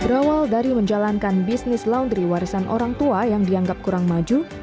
berawal dari menjalankan bisnis laundry warisan orang tua yang dianggap kurang maju